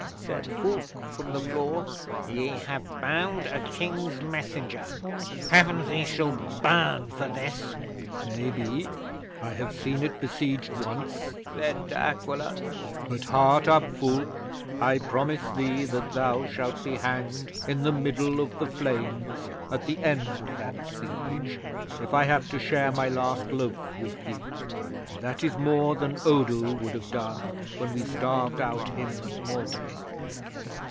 'Said Fulke from the floor, "Ye have bound a King's messenger. Pevensey shall burn for this." '"Maybe. I have seen it besieged once," said De Aquila, "but heart up, Fulke. I promise thee that thou shalt be hanged in the middle of the flames at the end of that siege, if I have to share my last loaf with thee; and that is more than Odo would have done when we starved out him and Mortain."